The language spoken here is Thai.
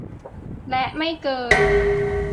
และไม่เกิน